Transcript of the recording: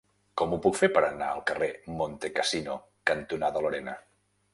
Com ho puc fer per anar al carrer Montecassino cantonada Lorena?